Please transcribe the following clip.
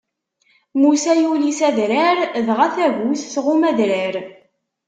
Musa yuli s adrar, dɣa tagut tɣumm adrar.